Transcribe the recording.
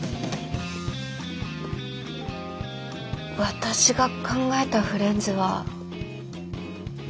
私が考えたフレンズは。